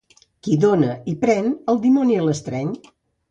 Qui dóna i pren, el dimoni l'estreny.